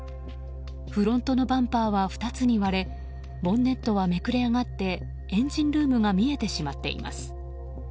フロントのバンパーは２つに割れボンネットはめくれ上がってエンジンルームが見えてしまっています。